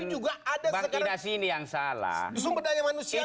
tapi juga ada sekarang sumber daya manusianya juga